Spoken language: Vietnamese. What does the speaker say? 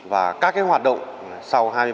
và các cái hoạt động sau hai mươi ba h